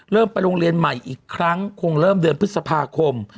ไปโรงเรียนใหม่อีกครั้งคงเริ่มเดือนพฤษภาคม